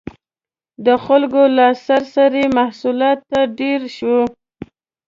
• د خلکو لاسرسی محصولاتو ته ډېر شو.